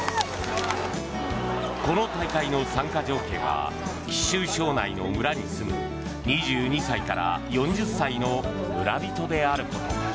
この大会の参加条件は貴州省内の村に住む２２歳から４０歳の村人であること。